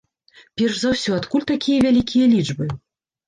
Перш за ўсё, адкуль такія вялікія лічбы?